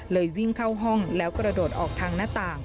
วิ่งเข้าห้องแล้วกระโดดออกทางหน้าต่าง